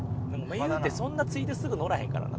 いうてそんな着いてすぐ乗らへんからな。